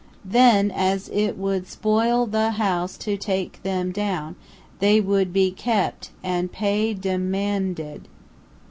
Then, as it would spoil the house to take them down, they would be kept, and pay demand ed.